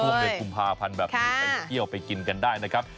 เดือนกุมภาพันธ์แบบนี้ไปเที่ยวไปกินกันได้นะครับ